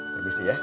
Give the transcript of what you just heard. lebih sibuk ya